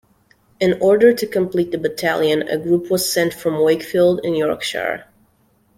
In order to complete the battalion, a group was sent from Wakefield in Yorkshire.